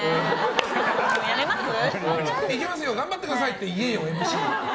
いけますよ頑張ってください！って言えよ、ＭＣ。